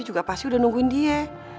juga pasti udah nungguin dia